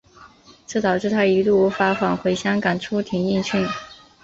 这导致他一度无法返回香港出庭应讯。